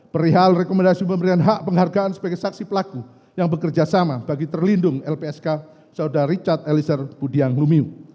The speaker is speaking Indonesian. dua ribu dua puluh tiga perihal rekomendasi pemberian hak penghargaan sebagai saksi pelaku yang bekerjasama bagi terlindung lpsk saudara richard elisir budiang lumiu